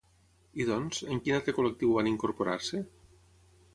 I doncs, en quin altre col·lectiu van incorporar-se?